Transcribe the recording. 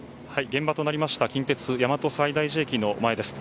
現場となりました近鉄大和西大寺駅の前です。